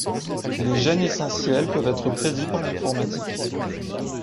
Les gènes essentiels peuvent être prédits par l'informatique.